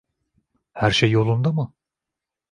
Herşey yolunda mı?